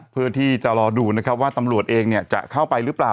เพื่อที่จะรอดูนะครับว่าตำรวจเองจะเข้าไปหรือเปล่า